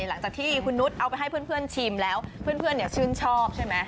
หลังจากที่คุณนุษย์เอาไปให้เพื่อนชิมแล้วเพื่อนชื่นชอบใช่ไหม